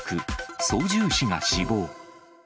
操縦士が死亡。